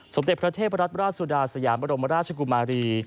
สมเด็จพระเทพรัตนราชสุดาสยามบรมราชกุมารี